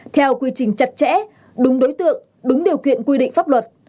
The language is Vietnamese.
theo quy trình chặt chẽ đúng đối tượng đúng điều kiện quy định pháp luật